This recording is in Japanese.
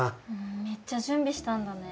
めっちゃ準備したんだね。